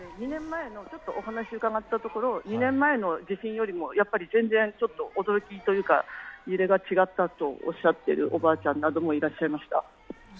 お話を伺ったところ、２年前の地震より驚きというか、揺れが違ったとおっしゃっているおばあちゃんなどもいらっしゃいました。